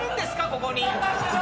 ここに。